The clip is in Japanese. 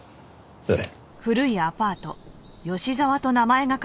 ええ。